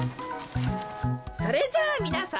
それじゃあみなさん